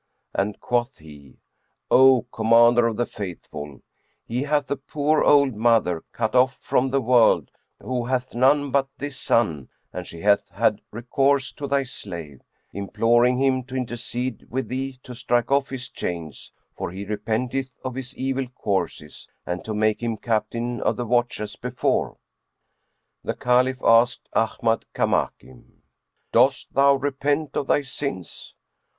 and quoth he, "O Commander of the Faithful, he hath a poor old mother cut off from the world who hath none but this son and she hath had recourse to thy slave, imploring him to intercede with thee to strike off his chains, for he repenteth of his evil courses; and to make him Captain of the Watch as before." The Caliph asked Ahmad Kamakim, "Doss thou repent of thy sins?"